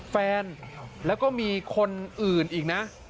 แฟนแล้วก็มีคนอื่นอีกนะ